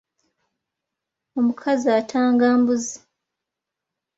Omukazi atanga mbuzi.